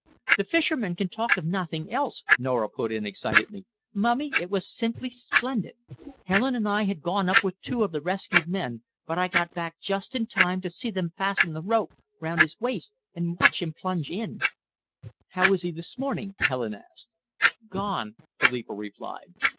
"The fishermen can talk of nothing else," Nora put in excitedly. "Mummy, it was simply splendid! Helen and I had gone up with two of the rescued men, but I got back just in time to see them fasten the rope round his waist and watch him plunge in." "How is he this morning?" Helen asked. "Gone," Philippa replied.